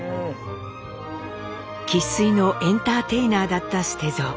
生っ粋の「エンターテイナー」だった捨蔵。